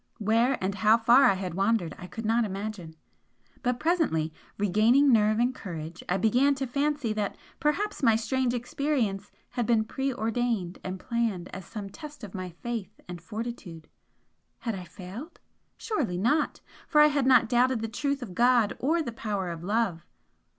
Where and how far I had wandered I could not imagine but presently, regaining nerve and courage, I began to fancy that perhaps my strange experience had been preordained and planned as some test of my faith and fortitude. Had I failed? Surely not! For I had not doubted the truth of God or the power of Love!